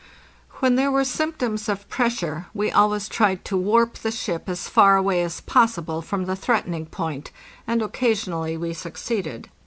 When there were symptoms of pressure we always tried to warp the ship as far away as possible from the threatening point, and occasionally we succeeded.